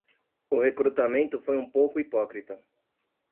O recrutamento foi um pouco hipócrita